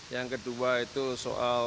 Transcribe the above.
yang kedua itu soal